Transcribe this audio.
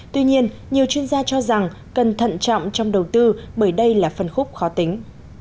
tuy nhiên nhiều chuyên gia cho rằng cần thận trọng trong đầu tư bởi đây là phân khúc khó tính